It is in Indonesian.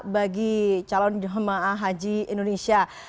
bagi calon jemaah haji indonesia